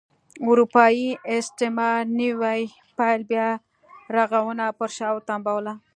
اروپايي استعمار نوي پیل بیا رغونه پر شا وتمبوله.